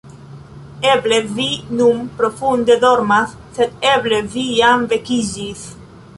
Eble vi nun profunde dormas, sed eble vi jam vekiĝis.